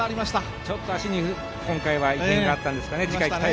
ちょっと足に今回は異変があったんですかね。